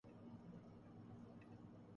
تو اس عوامی طاقت کا انہیں فائدہ کیا ہو گا؟